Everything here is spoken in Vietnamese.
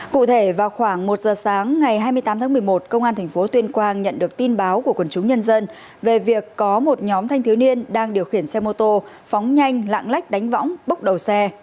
cụ thể vào khoảng một giờ sáng ngày hai mươi tám tháng một mươi một công an tp tuyên quang nhận được tin báo của quần chúng nhân dân về việc có một nhóm thanh thiếu niên đang điều khiển xe mô tô phóng nhanh lạng lách đánh võng bốc đầu xe